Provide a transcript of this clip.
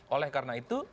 oleh karena itu